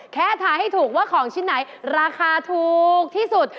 ท้ายให้ถูกว่าของชิ้นไหนราคาถูกที่สุด